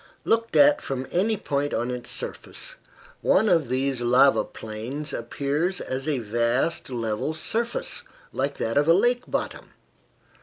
Looked at from any point on its surface, one of these lava plains appears as a vast level surface, like that of a lake bottom.